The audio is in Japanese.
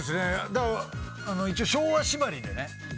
だから一応昭和縛りでね。